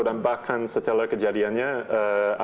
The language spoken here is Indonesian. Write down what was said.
dan bahkan setelah kejadiannya itu